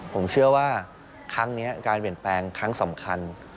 ผมเชื่อว่าครั้งนี้การเปลี่ยนแปลงครั้งสำคัญ